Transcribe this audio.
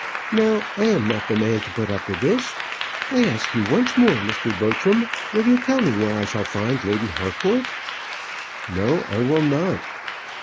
Now I am not the man to put up with this. I ask you once more, Mr. Bertram, will you tell me where I shall find Lady Harcourt?" "No, I will not."